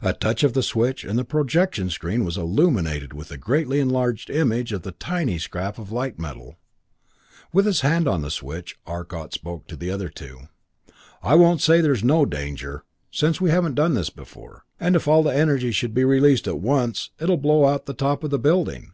A touch of the switch, and the projection screen was illuminated with the greatly enlarged image of the tiny scrap of light metal. With his hand on the switch, Arcot spoke to the other two. "I won't say there's no danger, since we haven't done this before; and if all the energy should be released at once, it'll blow the top out of the building.